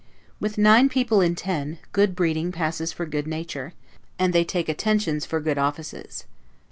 With nine people in ten, good breeding passes for good nature, and they take attentions for good offices.